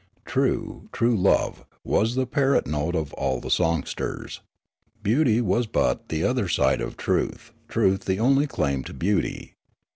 "True, true, love" was the parrot note of all the songsters. Beauty was but the other side of truth, truth the only claim to beauty.